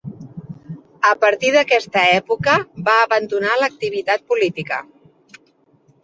A partir d'aquesta època va abandonar l'activitat política.